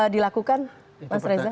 dilakukan mas reza